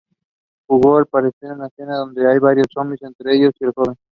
Luego aparece una escena donde hay varios zombies, entre ellos, el joven.